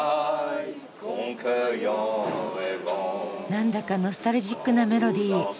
なんだかノスタルジックなメロディー。